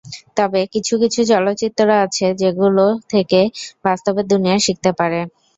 তবে কিছু কিছু চলচ্চিত্র আছে, যেগুলো থেকে বাস্তবের দুনিয়া শিখতে পারে।